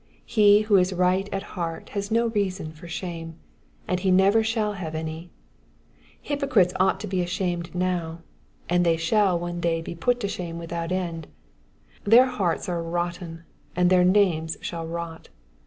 He who is right at heart has no reason for shame, and he never shall have any ; hypocrites ought to be ashamed now, and they shall one day be put to shame without end ; their hearts are rotten, and their names shall rot.